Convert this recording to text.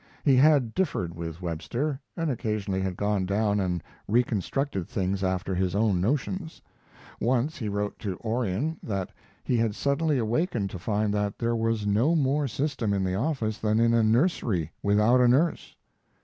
He had differed with Webster, and occasionally had gone down and reconstructed things after his own notions. Once he wrote to Orion that he had suddenly awakened to find that there was no more system in the office than in a nursery without a nurse.